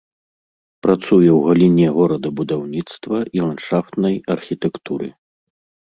Працуе ў галіне горадабудаўніцтва і ландшафтнай архітэктуры.